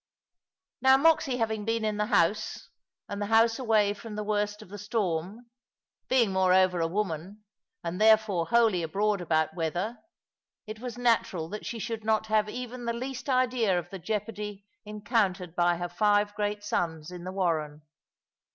Now Moxy having been in the house, and the house away from the worst of the storm, being moreover a woman, and therefore wholly abroad about weather, it was natural that she should not have even the least idea of the jeopardy encountered by her five great sons in the warren.